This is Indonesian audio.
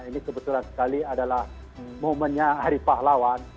ini kebetulan sekali adalah momennya hari pahlawan